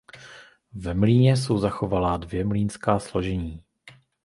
Ve mlýně jsou zachovalá dvě mlýnská složení.